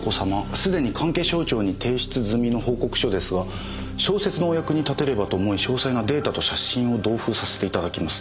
すでに関係省庁に提出済の報告書ですが小説のお役に立てればと思い詳細なデータと写真を同封させていただきます。